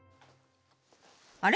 あれ？